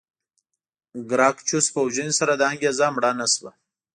ګراکچوس په وژنې سره دا انګېزه مړه نه شوه.